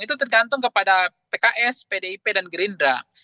itu tergantung kepada pks pdip dan gerindra